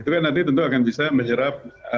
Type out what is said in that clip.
itu kan nanti tentu akan bisa menyerap